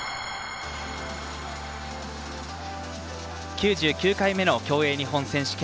９９回目の競泳日本選手権。